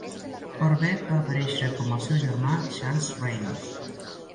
Corbett va aparèixer com el seu germà, Chance Reynolds.